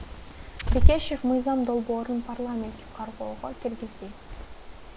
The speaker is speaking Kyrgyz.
Бекешев мыйзам долбоорун парламентке кароого киргизди.